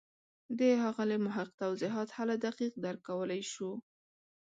د ښاغلي محق توضیحات هله دقیق درک کولای شو.